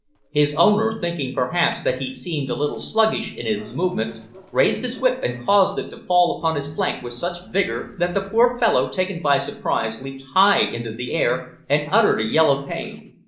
His owner, thinking, perhaps, that he seemed a little sluggish in his movements, raised his whip and caused it to fall upon his flank with such vigour that the poor fellow, taken by surprise, leaped high into the air, and uttered a yell of pain.